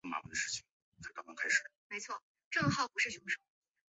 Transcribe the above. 随后严厉取证调查此事。